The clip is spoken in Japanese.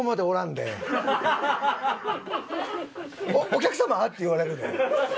「お客様！？」って言われるで。